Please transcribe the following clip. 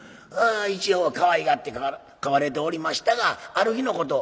一応はかわいがって飼われておりましたがある日のこと。